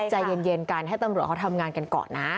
ใจเย็นกันให้ตำรวจเขาทำงานกันก่อนนะ